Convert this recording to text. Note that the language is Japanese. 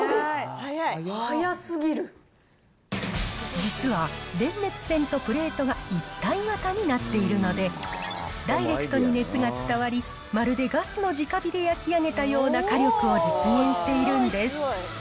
実は、電熱線とプレートが一体型になっているので、ダイレクトに熱が伝わり、まるでガスのじか火で焼き上げたような火力を実現しているんです。